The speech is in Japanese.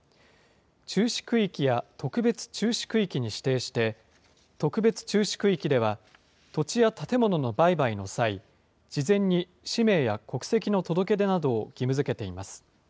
注視区域や特別注視区域に指定して、特別注視区域では土地や建物の売買の際、事前に氏名や国籍の届け出などを義務づけています。